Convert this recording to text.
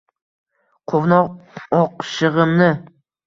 Quvnoq o’qshig’imni?